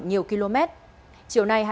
nhiều km chiều nay hai mươi chín bốn